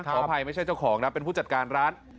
ขออภัยไม่ใช่เจ้าของนะเป็นผู้จัดการร้าน